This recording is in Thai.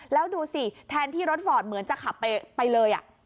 แล้วดูสิแทนที่รถฟอร์ดเหมือนจะขับไปเลย